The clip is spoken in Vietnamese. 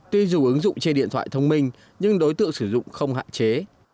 tuy dù ứng dụng trên điện thoại thông minh nhưng đối tượng sử dụng không hạn chế